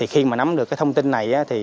khi nắm được thông tin này